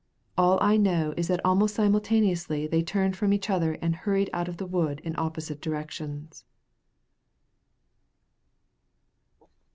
All I know is that almost simultaneously they turned from each other and hurried out of the wood in opposite directions.